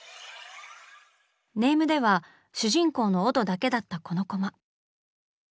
ネームでは主人公のオドだけだったこのコマ。